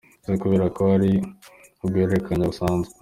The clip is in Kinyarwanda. Si ukubera ko ari uguhererekanya gusanzwe.